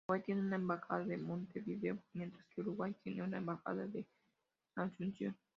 Paraguay tiene una embajada en Montevideo, mientras que Uruguay tiene una embajada en Asunción.